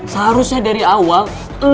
seharusnya dari awal